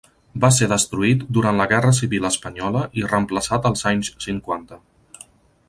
Va ser destruït durant la Guerra civil espanyola i reemplaçat als anys cinquanta.